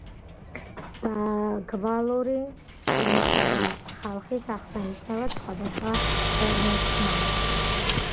ბაგვალური ენისა და ხალხის აღსანიშნავად სხვადასხვა ტერმინს ხმარობენ.